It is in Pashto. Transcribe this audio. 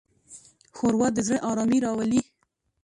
ښوروا د زړه ارامي راولي.